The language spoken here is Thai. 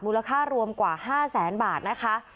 ค่ารวมกว่า๕แสนบาทนะคะ